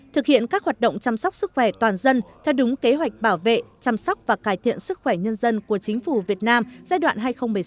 thực hiện các hoạt động chăm sóc sức khỏe toàn dân theo đúng kế hoạch bảo vệ chăm sóc và cải thiện sức khỏe nhân dân của chính phủ việt nam giai đoạn hai nghìn một mươi sáu hai nghìn hai mươi